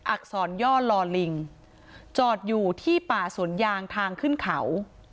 อักษรย่อลอลิงจอดอยู่ที่ป่าสวนยางทางขึ้นเขา